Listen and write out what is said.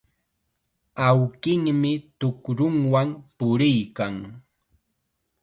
Awkinmi tukrunwan puriykan.